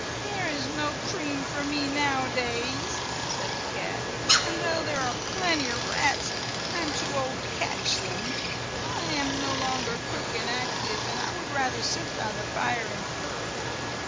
"There is no cream for me nowadays," said the cat, "and though there are plenty of rats I am too old to catch them. I am no longer quick and active, and I would rather sit by the fire and purr.